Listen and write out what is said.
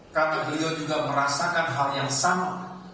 karena beliau juga merasakan hal yang sama